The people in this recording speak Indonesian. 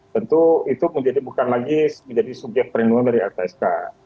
tentu itu menjadi bukan lagi menjadi subjek perlindungan dari lpsk